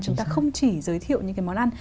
chúng ta không chỉ giới thiệu những cái món ăn